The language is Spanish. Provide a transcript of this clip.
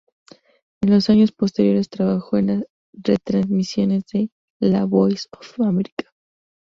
En los años posteriores trabajó en las retransmisiones de la "Voice of America".